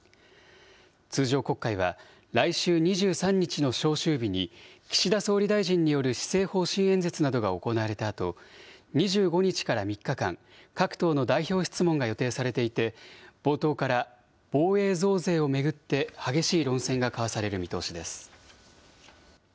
通常国会は、来週２３日の召集日に、岸田総理大臣による施政方針演説などが行われたあと、２５日から３日間、各党の代表質問が予定されていて、冒頭から防衛増税を巡って、激しい論戦が交わされる見通しです。